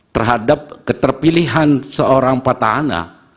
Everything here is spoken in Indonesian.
terhadap keterpilihan seorang petahana